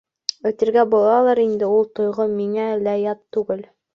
Әйтергә булалыр инде: ул тойғо миңә лә ят түгел.